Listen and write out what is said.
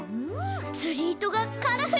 つりいとがカラフルだね！